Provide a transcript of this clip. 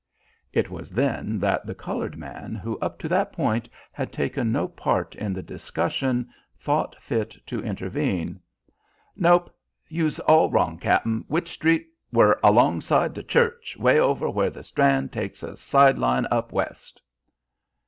It was then that the coloured man, who up to that point had taken no part in the discussion, thought fit to intervene. "Nope. You's all wrong, cap'n. Wych Street were alongside de church, way over where the Strand takes a side line up west."